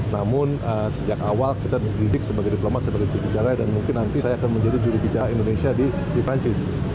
namun sejak awal kita didik sebagai diplomat sebagai jurubicara dan mungkin nanti saya akan menjadi jurubicara indonesia di perancis